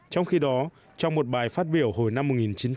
trong khi đó trong một bài phát biểu hồi năm một nghìn chín trăm chín mươi